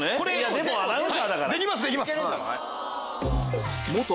でもアナウンサーだから。